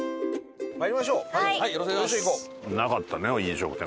なかったね飲食店。